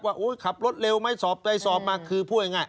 ว่าครับรถเร็วสอบมาคือพูดอย่างง่าย